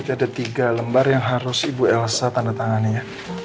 ada tiga lembar yang harus ibu elsa tanda tangani ya